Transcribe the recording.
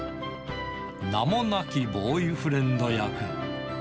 名もなきボーイフレンド役。